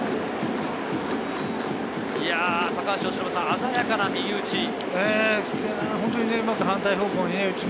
鮮やかな右打ち。